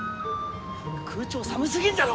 空調寒すぎんだろ！